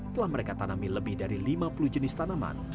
telah mereka tanami lebih dari lima puluh jenis tanaman